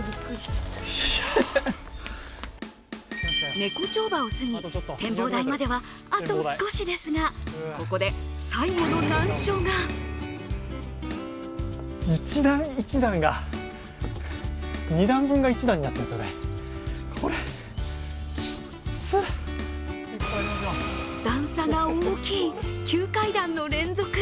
猫丁場を過ぎ、展望台まではあと少しですが、ここで最後の難所が段差が大きい急階段の連続。